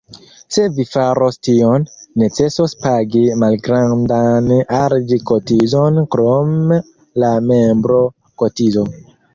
Se vi faros tion, necesos pagi malgrandan aliĝ-kotizon krom la membro-kotizo.